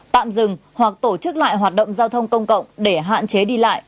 tạm dừng hoặc tổ chức lại hoạt động giao thông công cộng để hạn chế đi lại